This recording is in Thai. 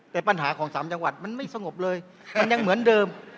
แต่ปัญหาของสามจังหวัดมันไม่สงบเลยมันยังเหมือนเดิม